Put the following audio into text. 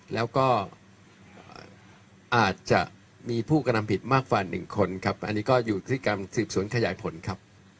แล้วก็อาจจะมีผู้กระทำผิดมากกว่า๑คนครับอันนี้ก็อยู่ที่การสืบสวนขยายผลครับ